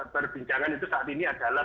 perbincangan itu saat ini adalah